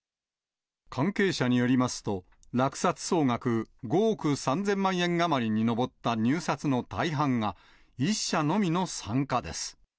関係者によりますと、落札総額５億３０００万円余りに上った入札の大半が、１社のみの参加です。